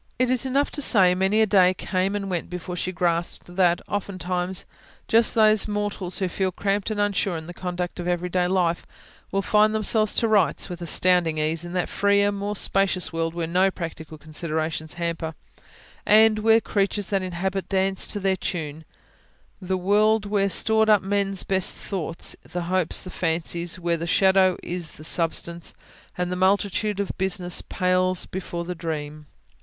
It is enough to say: many a day came and went before she grasped that, oftentimes, just those mortals who feel cramped and unsure in the conduct of everyday life, will find themselves to rights, with astounding ease, in that freer, more spacious world where no practical considerations hamper, and where the creatures that inhabit dance to their tune: the world where are stored up men's best thoughts, the hopes, and fancies; where the shadow is the substance, and the multitude of business pales before the dream.